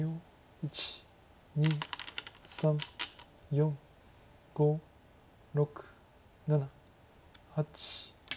１２３４５６７８。